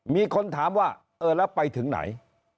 มีคนถามว่าเออแล้วไปถึงไหน